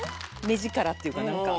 目力っていうかなんか。